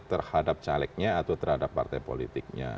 terhadap calegnya atau terhadap partai politiknya